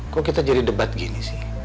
kok kita jadi debat gini sih